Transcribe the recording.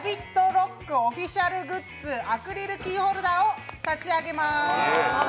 ＲＯＣＫオフィシャルグッズアクリルキーホルダーを差し上げまーす。